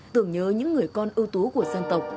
tưởng nhớ những người con ưu tú của dân tộc